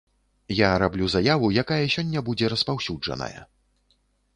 Я раблю заяву, якая сёння будзе распаўсюджаная.